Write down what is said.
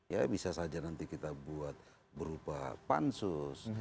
ya bisa saja nanti kita buat berupa pansus